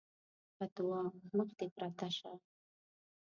بدعا: مخ دې پرته شه!